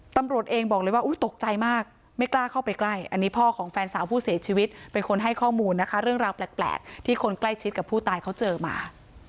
ตำรวจเองบอกเลยว่าตกใจมากไม่กล้าเข้าไปใกล้อันนี้พ่อของแฟนสาวผู้เสียชีวิตเป็นคนให้ข้อมูลนะคะเรื่องราวแปลกที่คนใกล้ชิดกับผู้ตายเขาเจอมา